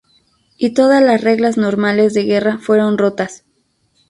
Y todas las reglas normales de guerra fueron rotas.